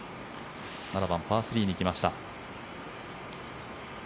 ７番、パー３に来ました。